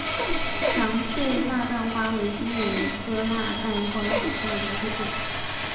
长穗蜡瓣花为金缕梅科蜡瓣花属下的一个种。